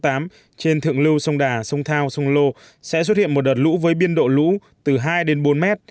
trên thượng lưu sông đà sông thao sông lô sẽ xuất hiện một đợt lũ với biên độ lũ từ hai đến bốn mét